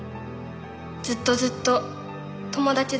「ずっとずっと友達だよ」